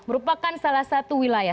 merupakan salah satu wilayah